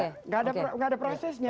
nggak ada prosesnya